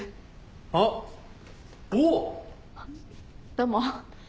どうも。